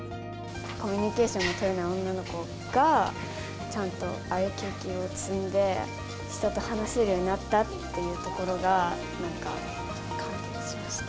コミュニケーションが取れない女の子が、ちゃんと、ああいう経験を積んで、人と話せるようになったっていうところが、なんか、感動しました。